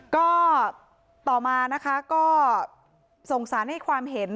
ก็ต่อมานะคะก็ส่งสารให้ความเห็น